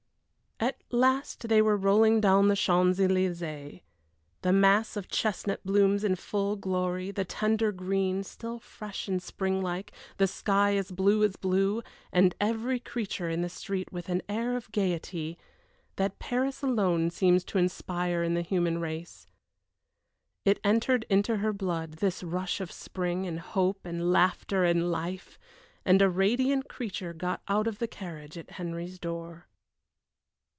At last they were rolling down the Champs Elysées. The mass of chestnut blooms in full glory, the tender green still fresh and springlike, the sky as blue as blue, and every creature in the street with an air of gayety that Paris alone seems to inspire in the human race. It entered into her blood, this rush of spring and hope and laughter and life, and a radiant creature got out of the carriage at Henry's door.